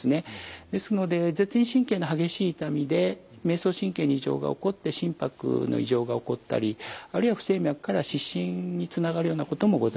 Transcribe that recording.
ですので舌咽神経の激しい痛みで迷走神経に異常が起こって心拍の異常が起こったりあるいは不整脈から失神につながるようなこともございます。